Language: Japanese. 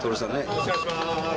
よろしくお願いします。